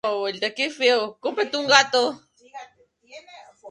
Fue seleccionada para el papel sin haber tenido previamente clases de actuación.